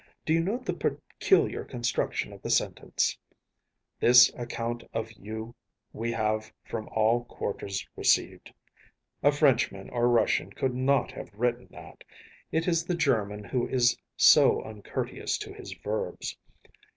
Do you note the peculiar construction of the sentence‚ÄĒ‚ÄėThis account of you we have from all quarters received.’ A Frenchman or Russian could not have written that. It is the German who is so uncourteous to his verbs.